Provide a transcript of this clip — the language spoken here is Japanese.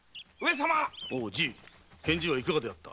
おお返事はいかがであった？